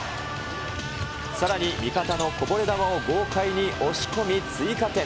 さらに味方のこぼれ球を豪快に押し込み追加点。